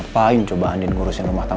tidak p grammar ya mbak